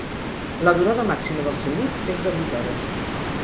La durada màxima del seu ús és de vuit hores.